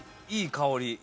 いい香り！